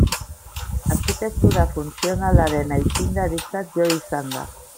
Arkitektura funtzionalaren aitzindaritzat jo izan da.